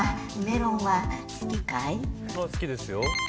好きですよ。